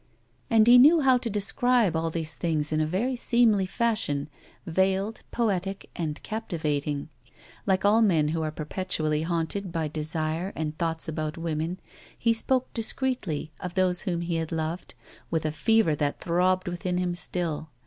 And he knew how to describe all these things in a very seemly fashion, veiled, poetic, and captivating. Like all men who are perpetually haunted by desire and thoughts about woman he spoke discreetly of those whom he had loved with a fever that throbbed within him still.